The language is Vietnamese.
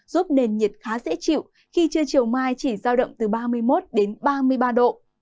giúp nền nhiệt khá dễ chịu khi trưa chiều mai chỉ giao động từ ba mươi một đến ba mươi ba độ